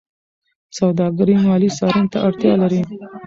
سوداګري مالي څارنې ته اړتیا لري.